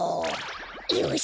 よし！